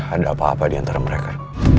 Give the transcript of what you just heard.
ada apa apa diantara mereka